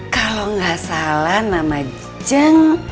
kalau gak salah nama yajang